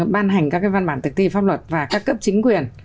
ban hành các văn bản thực thi pháp luật và các cấp chính quyền